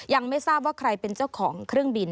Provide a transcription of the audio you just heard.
ยังไม่ทราบว่าใครเป็นเจ้าของเครื่องบิน